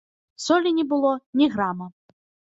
Солі не было ні грама.